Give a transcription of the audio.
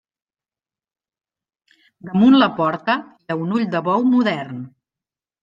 Damunt la porta hi ha un ull de bou modern.